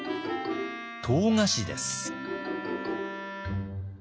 唐菓子です。